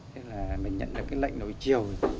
thế là mình nhận được cái lệnh nổi chiều